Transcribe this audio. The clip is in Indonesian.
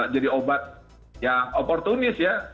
jadi obat yang opportunis ya